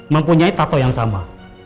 mempunyai tattoo yang sama